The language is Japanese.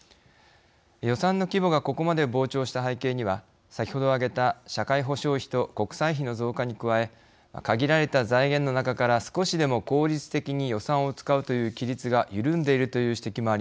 予算の規模がここまで膨張した背景には先ほど挙げた社会保障費と国債費の増加に加え限られた財源の中から少しでも効率的に予算を使うという規律が緩んでいるという指摘もあります。